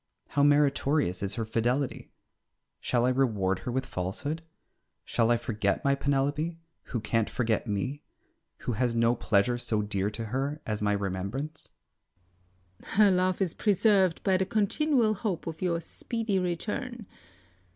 How meritorious is her fidelity! Shall I reward her with falsehood? Shall I forget my Penelope, who can't forget me, who has no pleasure so dear to her as my remembrance? Circe. Her love is preserved by the continual hope of your speedy return.